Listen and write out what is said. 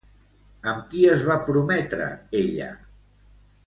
Amb qui es va prometre ella?